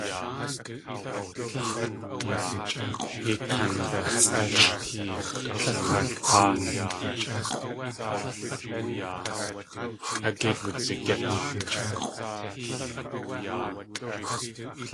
Yei kandasʼélʼ a tuk̲ʼatáal.